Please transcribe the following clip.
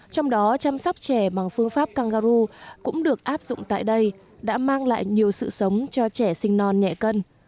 trong đó chăm sóc trẻ bằng phương pháp cănggaru cũng được áp dụng tại đây đã mang lại nhiều sự sống cho trẻ sinh non nhẹ cân